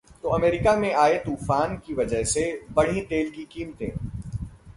...तो अमेरिका में आए तूफान की वजह से बढ़ीं तेल की कीमतें!